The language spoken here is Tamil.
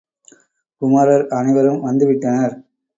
குமரர் அனைவரும் வந்து விட்டனர்.